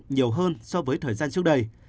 nhiều hơn so với thời gian trước đây